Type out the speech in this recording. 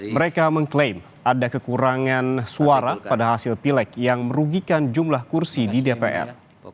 mereka mengklaim ada kekurangan suara pada hasil pilek yang merugikan jumlah kursi di dpr